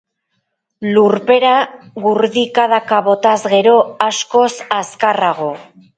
Lurpera gurdikadaka botaz gero, askoz azkarrago.